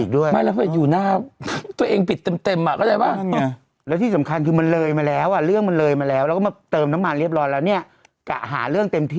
ก็ต้องเล่นเต็มที่เดินออกไปมองหน้าอีกรอบหนึ่ง